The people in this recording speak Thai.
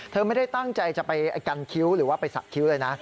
ไม่ได้ตั้งใจจะไปกันคิ้วหรือว่าไปสักคิ้วเลยนะ